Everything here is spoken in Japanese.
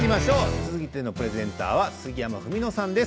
続いてのプレゼンターは杉山文野さんです。